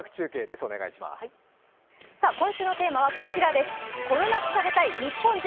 今週のテーマはこちらです。